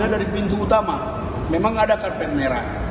ada di pintu utama memang ada karpet merah